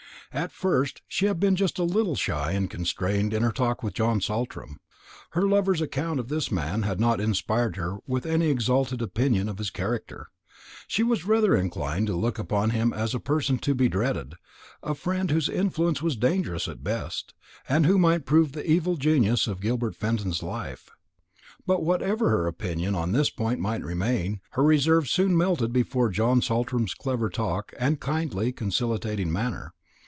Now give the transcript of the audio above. At first she had been just a little shy and constrained in her talk with John Saltram. Her lover's account of this man had not inspired her with any exalted opinion of his character. She was rather inclined to look upon him as a person to be dreaded, a friend whose influence was dangerous at best, and who might prove the evil genius of Gilbert Fenton's life. But whatever her opinion on this point might remain, her reserve soon melted before John Saltram's clever talk and kindly conciliating manner.